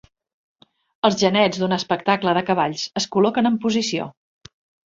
Els genets d'un espectacle de cavalls es col·loquen en posició.